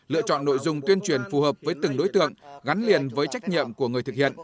lựa chọn nội dung tuyên truyền phù hợp với từng đối tượng gắn liền với trách nhiệm của người thực hiện